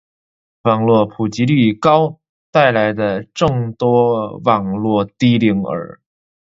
网络普及率高带来的众多网络低龄儿